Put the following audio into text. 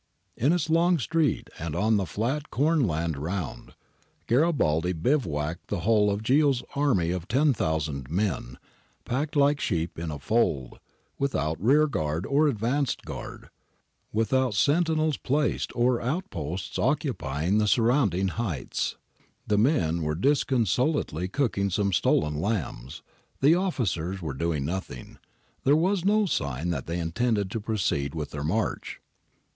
In its long street and on the flat corn land around, Garibaldi saw bivouacked the whole of Ghio's army of 10,000 men, packed like sheep in a fold, without rear guard or advance guard, without sentinels placed or out posts occupying the surrounding heights. The men were disconsolately cooking some stolen lambs ; the officers were doing nothing ; there was no sign that they intended to proceed with their march.